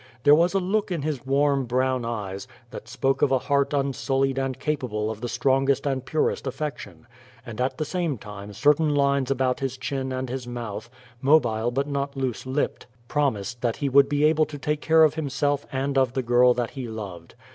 There was a look in his warm, brown eyes that spoke of a heart unsullied and capable of the strongest and purest affection; and at the same time certain lines about his chin and his mouth, mobile but not loose lipped, promised that he would be able to take care of himself and of the girl that he loved.